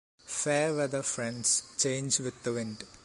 Fair-weather friends change with the wind.